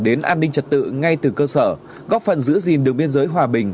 đến an ninh trật tự ngay từ cơ sở góp phần giữ gìn đường biên giới hòa bình